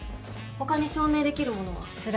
他に証明できるものは？